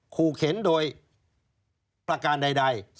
ขู่เข็นโดยประการใด